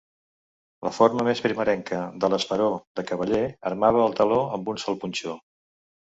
La forma més primerenca de l'esperó de cavaller armava el taló amb un sol punxó.